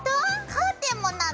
カーテンもなの？